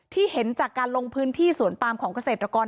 เห็นจากการลงพื้นที่สวนปามของเกษตรกร